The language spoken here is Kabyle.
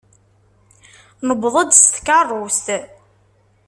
Newweḍ-d s tkeṛṛust.